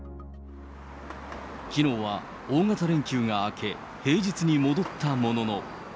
きのうは大型連休が明け、平日に戻ったものの。